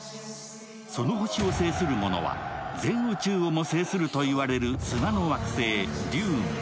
その星を制するものは全宇宙をも制すると言われる砂の惑星デューン。